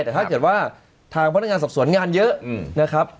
แต่ถ้าเกิดว่าทางพนักงานสอบสวนงานเยอะนะครับ